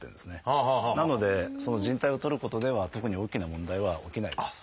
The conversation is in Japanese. なのでじん帯を取ることでは特に大きな問題は起きないです。